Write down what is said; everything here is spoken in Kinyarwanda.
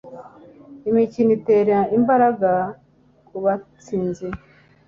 Imikino itera imbaraga kubatsinze